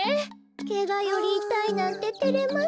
ケガよりいたいなんててれますねえ。